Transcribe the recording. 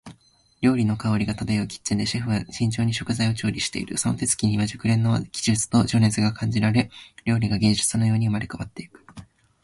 料理の香りが漂うキッチンで、シェフは慎重に食材を調理している。その手つきには熟練の技術と情熱が感じられ、料理が芸術のように生まれ変わっていく。